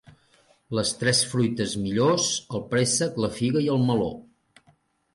Les tres fruites millors: el préssec, la figa i el meló.